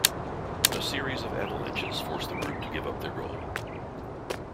A series of avalanches forced the group to give up their goal.